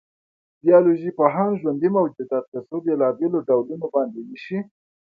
بایولوژيپوهان ژوندي موجودات په څو بېلابېلو ډولونو باندې وېشي.